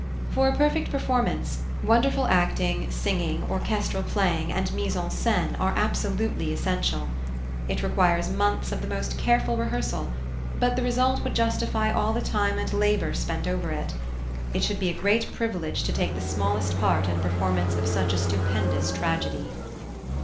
For a perfect performance, wonderful acting, singing, orchestral playing, and mise en scène are absolutely essential. It requires months of the most careful rehearsal, but the result would justify all the time and labour spent over it. It should be a great privilege to take the smallest part in a performance of such a stupendous tragedy.